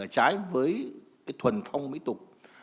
trái với thuần phong mỹ tục